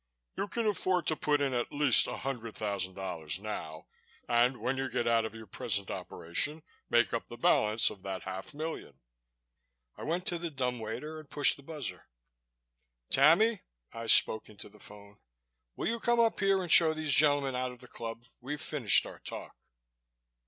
You can afford to put in at least $100,000 now and, when you get out of your present operation, make up the balance of that half million." I went to the dumbwaiter and pushed the buzzer. "Tammy," I spoke into the phone, "will you come up here and show these gentlemen out of the club. We've finished our talk."